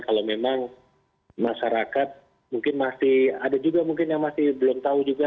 kalau memang masyarakat mungkin masih ada juga mungkin yang masih belum tahu juga